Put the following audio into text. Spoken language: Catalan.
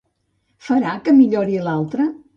Farà que millori l'altre?